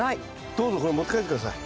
どうぞこれ持って帰って下さい。